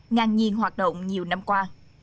ngàn nhiên hoạt động nhiều năm qua